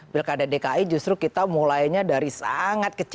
pilkada dki justru kita mulainya dari sangat kecil